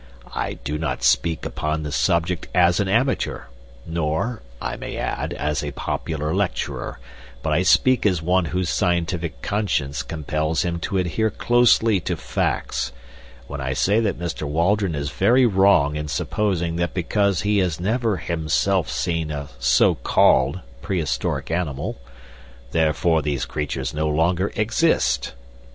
I do not speak upon this subject as an amateur, nor, I may add, as a popular lecturer, but I speak as one whose scientific conscience compels him to adhere closely to facts, when I say that Mr. Waldron is very wrong in supposing that because he has never himself seen a so called prehistoric animal, therefore these creatures no longer exist.